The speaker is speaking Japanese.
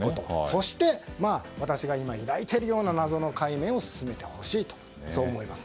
そして、私が今抱いているような謎の解明を進めてほしいと思います。